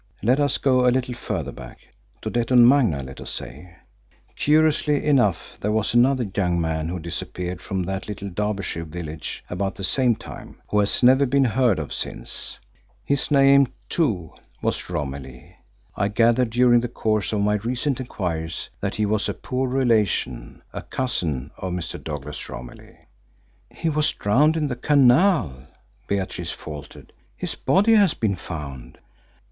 Let us go a little further back to Detton Magna, let us say. Curiously enough, there was another young man who disappeared from that little Derbyshire village about the same time, who has never been heard of since. His name, too, was Romilly. I gathered, during the course of my recent enquiries, that he was a poor relation, a cousin of Mr. Douglas Romilly." "He was drowned in the canal," Beatrice faltered. "His body has been found."